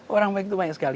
orang baik itu banyak sekali